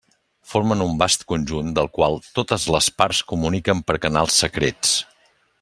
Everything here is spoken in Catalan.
Formen un vast conjunt del qual totes les parts comuniquen per canals secrets.